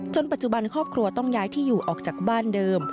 ปัจจุบันครอบครัวต้องย้ายที่อยู่ออกจากบ้านเดิม